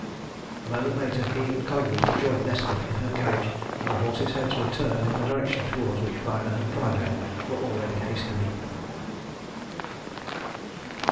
A moment later, he and Collingwood had joined Nesta in her carriage, and the horses' heads were turned in the direction towards which Byner and Prydale were already hastening.